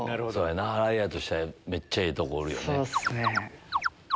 ライアーとしてはめっちゃええとこおるよね。